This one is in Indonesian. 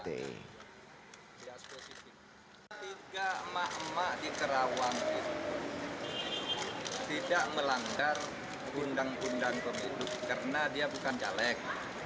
tiga emak emak di karawang tidak melanggar undang undang pemilu karena dia bukan jalak